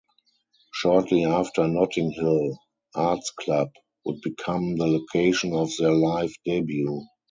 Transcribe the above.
Shortly after Notting Hill Art's Club would become the location of their live debut.